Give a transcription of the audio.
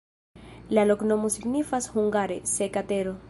La loknomo signifas hungare: seka-tero.